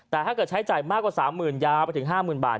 แต่ถ้าเกิดใช้จ่ายมากกว่า๓๐๐๐ยาวไปถึง๕๐๐๐บาท